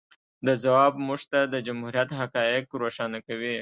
د ځواب موږ ته د جمهوریت حقایق روښانه کوي.